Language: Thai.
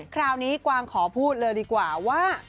คราวนี้กวางขอพูดเลยดีกว่าว่า